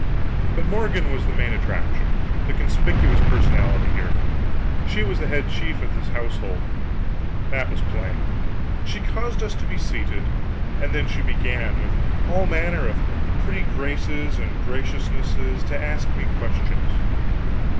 But Morgan was the main attraction, the conspicuous personality here; she was head chief of this household, that was plain. She caused us to be seated, and then she began, with all manner of pretty graces and graciousnesses, to ask me questions.